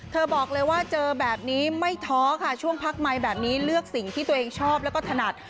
บอกเลยว่าเจอแบบนี้ไม่ท้อค่ะช่วงพักไมค์แบบนี้เลือกสิ่งที่ตัวเองชอบแล้วก็ถนัด